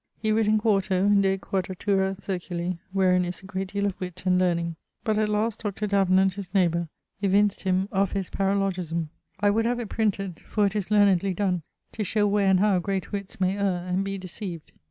He writt in 4to de Quadratura Circuli; wherin is a great deale of witt and learning; but at last Dr. Davenant (his neighbour) evinced him of his paralogisme. I would have it printed (for it is learnedly donne) to show where and how great witts may erre and be decieved.